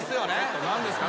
何ですか？